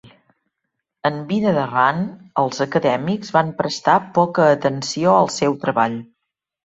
En vida de Rand, els acadèmics van prestar poca atenció al seu treball.